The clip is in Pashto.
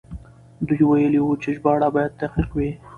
دوی ويلي وو چې ژباړه بايد دقيق وي.